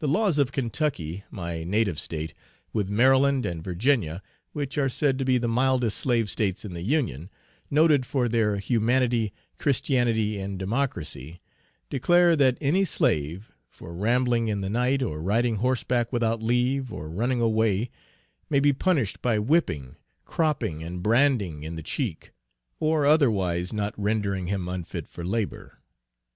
The laws of Kentucky, my native State, with Maryland and Virginia, which are said to be the mildest slave States in the Union, noted for their humanity, Christianity and democracy, declare that "Any slave, for rambling in the night, or riding horseback without leave, or running away, may be punished by whipping, cropping and branding in the cheek, or otherwise, not rendering him unfit for labor."